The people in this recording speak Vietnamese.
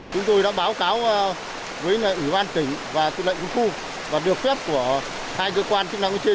chúng tôi đã báo cáo với ủy ban tỉnh và tư lệnh quân khu và được phép của hai cơ quan chức năng trên